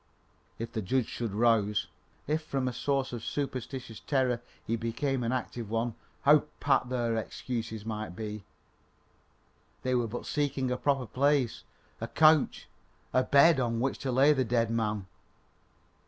If the judge should rouse, if from a source of superstitious terror he became an active one, how pat their excuse might be. They were but seeking a proper place a couch a bed on which to lay the dead man.